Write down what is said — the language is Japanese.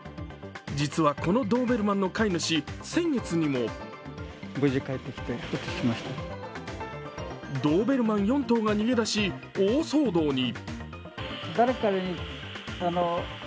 実はこのドーベルマンの飼い主、先月にもドーベルマン４頭が逃げ出し、大騒動に。